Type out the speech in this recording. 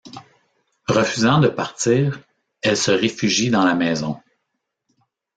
Refusant de partir, elle se réfugie dans la maison.